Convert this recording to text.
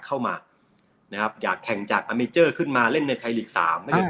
เข้ามานะครับอยากแข่งจากขึ้นมาเล่นในสามถ้าเกิด